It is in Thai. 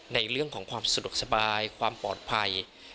ในเรื่องของความสะดวกสบายความปลอดภัย